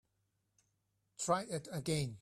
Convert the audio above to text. Try it again.